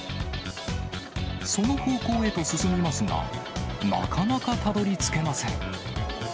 その方向へと進みますが、なかなかたどりつけません。